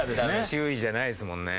注意じゃないですもんね。